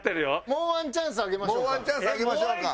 もうワンチャンスあげましょうか。